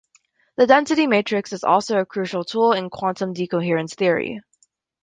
The density matrix is also a crucial tool in quantum decoherence theory.